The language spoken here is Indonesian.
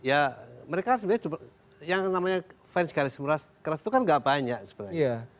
ya mereka sebenarnya yang namanya fans garis keras itu kan gak banyak sebenarnya